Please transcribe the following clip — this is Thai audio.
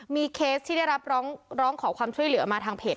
มีเคสที่ได้รับร้องขอความช่วยเหลือมาทางเพจ